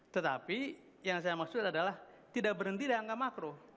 tetapi yang saya maksud adalah tidak berhenti di angka makro